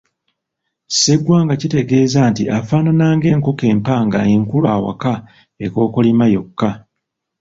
Sseggwanga kitegeeza nti afaanana ng'enkoko empanga enkulu awaka ekookolima yokka.